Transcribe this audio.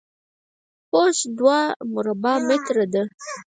پوست دوه مربع متره ده.